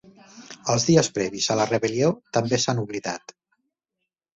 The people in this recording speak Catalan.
Els dies previs a la rebel·lió també s'han oblidat.